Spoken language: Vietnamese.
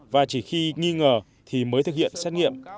và chỉ khi nghi ngờ thì mới thực hiện xét nghiệm